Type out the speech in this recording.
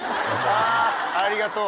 ああありがとう